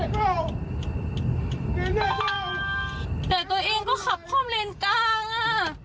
แต่ตัวเองก็ขับคล่อมเลนกลางอ่ะ